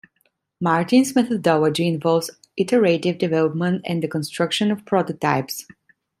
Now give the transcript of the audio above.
Martin's methodology involves iterative development and the construction of prototypes.